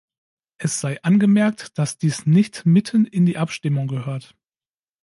Es sei angemerkt, dass dies nicht mitten in die Abstimmungen gehört.